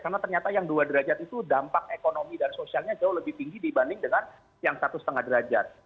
karena ternyata yang dua derajat itu dampak ekonomi dan sosialnya jauh lebih tinggi dibanding dengan yang satu lima derajat